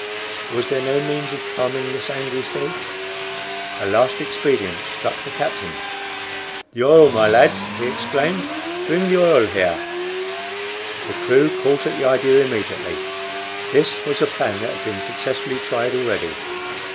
Was there no means of calming this angry sea? A last expedient struck the captain. "The oil, my lads!" he exclaimed. "Bring the oil here!" The crew caught at the idea immediately; this was a plan that had been successfully tried already.